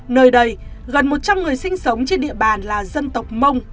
nơi đây gần một trăm linh người sinh sống trên địa bàn là dân tộc mông